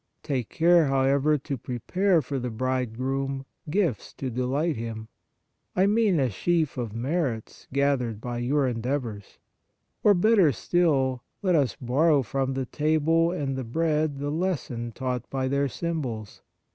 Take care, however, to pre pare for the Bridegroom gifts to delight Him, I mean a sheaf of merits gathered by your endeavours. Or, better still, let us borrow from * John xxi. 17. 85 On the Exercises of Piety the Table and the Bread the lesson taught by their symbols.